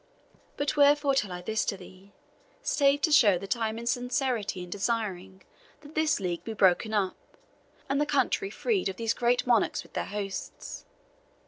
But wherefore tell I this to thee, save to show that I am in sincerity in desiring that this league be broken up, and the country freed of these great monarchs with their hosts?